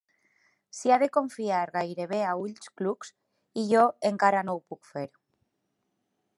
S'hi ha de confiar gairebé a ulls clucs, i jo encara no ho puc fer.